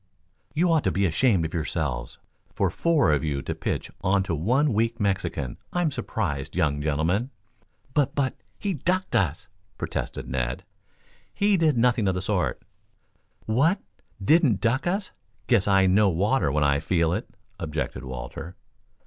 "You ought to be ashamed of yourselves for four of you to pitch on to one weak Mexican! I'm surprised, young gentlemen." "But but he ducked us," protested Ned. "He did nothing of the sort." "What didn't duck us? Guess I know water when I feel it," objected Walter.